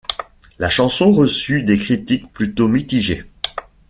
La chanson reçut des critiques plutôt mitigées.